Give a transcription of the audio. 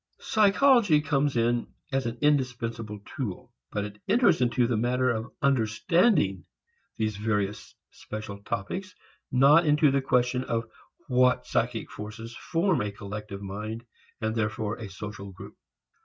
Psychology comes in as an indispensable tool. But it enters into the matter of understanding these various special topics, not into the question of what psychic forces form a collective mind and therefore a social group.